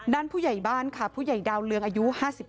ผู้ใหญ่บ้านค่ะผู้ใหญ่ดาวเรืองอายุ๕๙